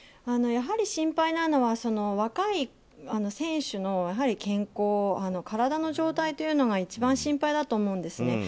やはり心配なのは若い選手の健康体の状態というのが一番心配だと思うんですね。